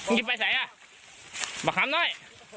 นี่ไปไหนอ่ะมาขำหน่อย